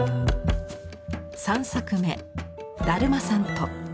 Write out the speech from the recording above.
３作目「だるまさんと」。